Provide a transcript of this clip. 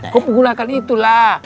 kau menggunakan itulah